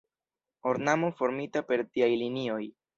Ornamo formita per tiaj linioj.